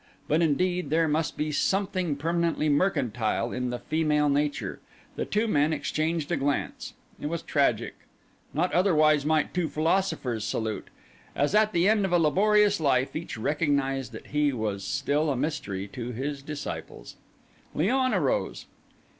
—but indeed there must be something permanently mercantile in the female nature. The two men exchanged a glance; it was tragic; not otherwise might two philosophers salute, as at the end of a laborious life each recognised that he was still a mystery to his disciples. Léon arose.